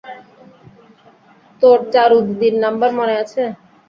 তোর চারু দিদির নাম্বার মনে আছে?